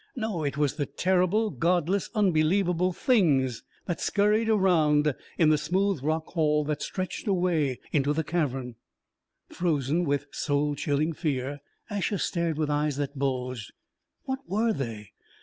No it was the terrible, Godless, unbelievable Things that scurried around in the smooth rock hall that stretched away into the cavern. Frozen with soul chilling fear, Asher stared with eyes that bulged. What were they?